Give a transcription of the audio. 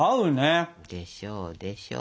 でしょうでしょう。